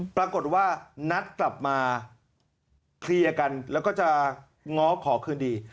ปรากฏว่านัดกลับมาเคลียร์กันแล้วก็จะง้อขอคืนดี